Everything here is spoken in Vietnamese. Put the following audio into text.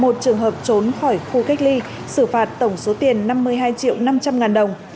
một trường hợp trốn khỏi khu cách ly xử phạt tổng số tiền năm mươi hai triệu năm trăm linh ngàn đồng